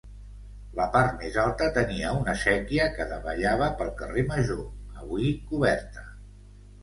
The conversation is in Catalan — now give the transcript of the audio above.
La part més alta tenia una séquia que davallava pel carrer Major, avui coberta.